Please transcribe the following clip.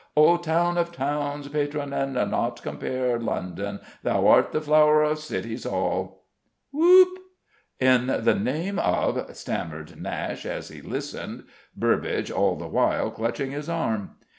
O towne of townes! patrone and not compare, London, thou art the flow'r of Cities all!_ Who oop!" "In the name of " stammered Nashe, as he listened, Burbage all the while clutching his arm.